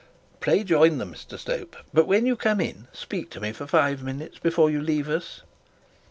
Pray join them, Mr Slope, but when you come in speak to me for five minutes before you leave us.'